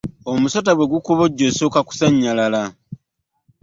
Omusota bw'egukubojja osooka kusanyalala